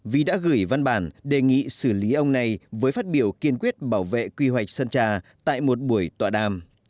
vì đã gửi văn bản đề nghị xử lý ông này với phát biểu kiên quyết bảo vệ quy hoạch sơn trà tại một buổi tọa đàm